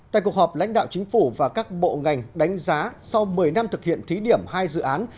tại cuộc họp lãnh đạo chính phủ và các bộ ngành đánh giá sau một mươi năm thực hiện thí điểm hai dự án